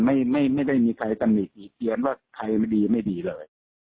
ไม่ได้มีใครตำหนิเพียนว่าใครดีไม่ดีเลย